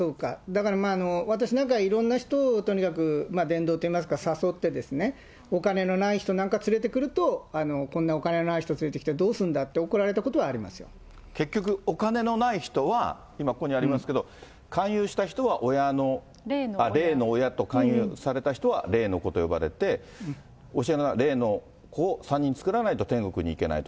だから、私なんか、いろんな人をとにかく伝道といいますか、誘って、お金のない人なんか連れてくると、こんなお金のない人連れてきてどうすんだって怒られたことありま結局、お金のない人は今ここにありますけど、勧誘した人は親の、霊の親と、勧誘された人は、霊の子と呼ばれて、教えの中では霊の子を３人作らないと天国に行けない。